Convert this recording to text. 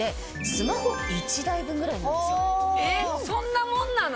そんなもんなの？